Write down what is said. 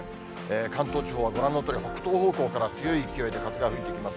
関東地方はご覧のとおり、北東方向から強い勢いで風が吹いてきます。